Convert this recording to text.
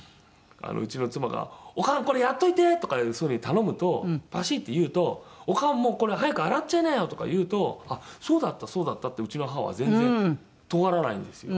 うちの妻が「オカンこれやっといて」とかそういう風に頼むとバシッて言うと「オカンもうこれ早く洗っちゃいなよ」とか言うと「あっそうだったそうだった」ってうちの母は全然とがらないんですよ。